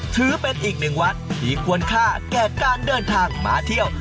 ถือเป็นอีกหนึ่งวัดที่ควรค่าแก่การเดินทางมาเที่ยว